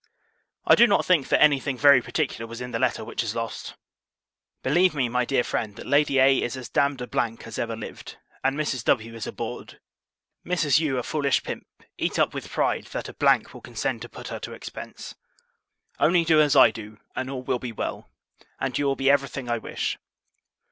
I do not think, that any thing very particular was in that letter which is lost. Believe me, my dear friend, that Lady A. is as damned a w as ever lived, and Mrs. W is a bawd! Mrs. U a foolish pimp; eat up with pride, that a P will condescend to put her to expence. Only do as I do; and all will be well, and you will be every thing I wish.